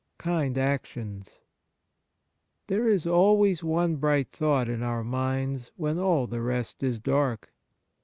IV KIND ACTIONS There is always one bright thought in our minds when all the rest is dark.